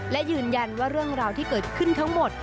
และยืนยันว่าเรื่องราวที่เกิดขึ้นทั้งหมด